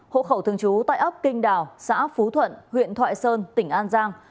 hộ khẩu thường trú tại ấp kinh đào xã phú thuận huyện thoại sơn tỉnh an giang